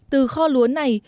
từ kho lúa này